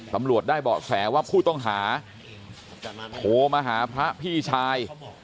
ตำรวจได้เบาะแสว่าผู้ต้องหาโทรมาหาพระพี่ชาย